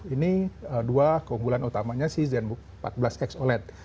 ini dua keunggulan utamanya si zenbook empat belas x oled